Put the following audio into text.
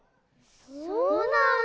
そうなんだ。